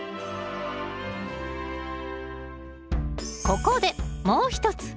ここでもう一つ。